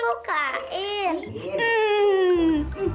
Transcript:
kakak lihat tuh pak